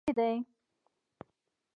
د ایران اقلیم متنوع دی.